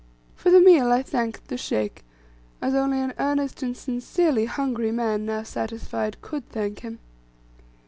For the meal, I thanked the Sheikh, as only an earnest and sincerely hungry man, now satisfied, could thank him.